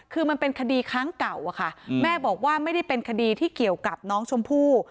คือมันเป็นคดีครั้งเก่าอะค่ะแม่บอกว่าไม่ได้เป็นคดีที่เกี่ยวกับน้องชมพู่